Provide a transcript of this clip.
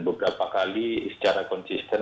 beberapa kali secara konsisten